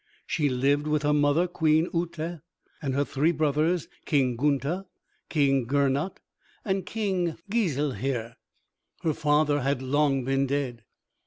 She lived with her mother Queen Uté and her three brothers King Gunther, King Gernot, and King Giselher. Her father had long been dead.